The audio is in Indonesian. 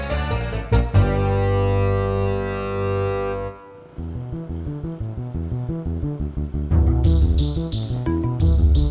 aku mau pulang